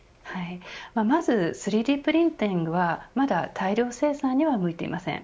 まず３Ｄプリンティングはまだ大量生産には向いていません。